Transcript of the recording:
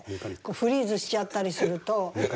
フリーズしちゃったりすると。